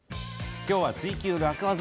今日は「ツイＱ楽ワザ」